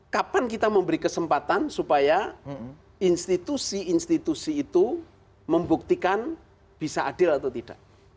kapan kita memberi kesempatan supaya institusi institusi itu membuktikan bisa adil atau tidak